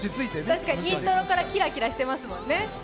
確かにイントロからキラキラしてますもんね。